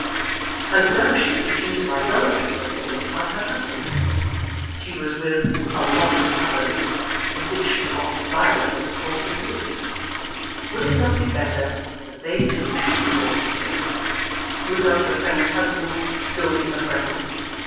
And now she was accused of idolatry for Phineas by her husband, she with "a lot of others," in which lot Violet was of course included. Would it not be better that they two should be brought together? Would not her friend's husband still be her friend?